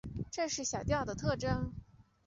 这是小调的特征。